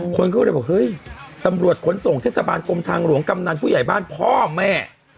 คนก็เลยบอกเฮ้ยตำรวจขนส่งเทศบาลกรมทางหลวงกำนันผู้ใหญ่บ้านพ่อแม่